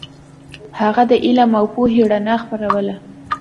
هغه د علم او پوهې رڼا خپروله.